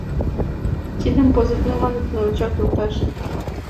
— Тидым позывной маныт, новичок йолташ.